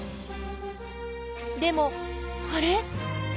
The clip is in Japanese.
でもあれ？